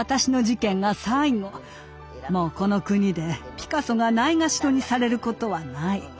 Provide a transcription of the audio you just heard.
もうこの国でピカソがないがしろにされることはない。